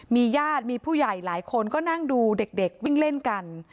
มีญาติมีผู้ใหญ่หลายคนก็นั่งดูเด็กวิ่งเล่นกัน